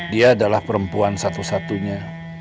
dia adalah perempuan satu satunya